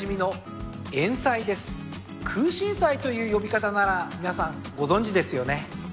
空心菜という呼び方なら皆さんご存じですよね。